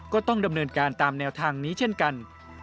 ก็ต้องดำเนินการตามแนวทางนี้เช่นกัน